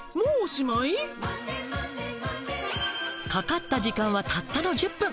かかった時間はたったの１０分。